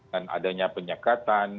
dan adanya penyekatan